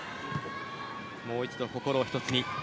もう一度、心を一つに。